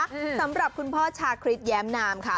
สำหรับคุณพ่อชาคริสแย้มนามค่ะ